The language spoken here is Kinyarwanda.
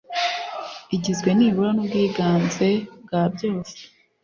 igizwe nibura n ubwiganze bwa byose